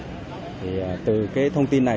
thì từ cái thông tin này